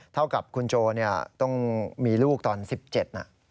เท่ากับคุณโจต้องมีลูกตอน๑๗น่ะ